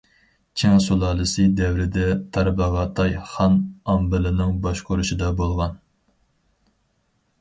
چىڭ سۇلالىسى دەۋرىدە تارباغاتاي خان ئامبىلىنىڭ باشقۇرۇشىدا بولغان.